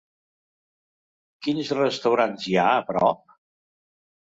Quins restaurants hi ha a prop?